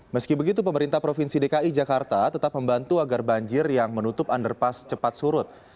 meski begitu pemerintah provinsi dki jakarta tetap membantu agar banjir yang menutup underpass cepat surut